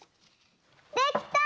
できた！